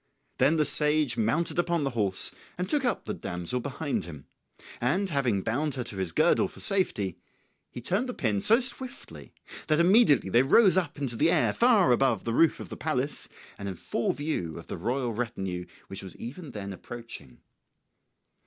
Then the sage mounted upon the horse and took up the damsel behind him; and having bound her to his girdle for safety, he turned the pin so swiftly that immediately they rose up into the air far above the roof of the palace and in full view of the royal retinue which was even then approaching.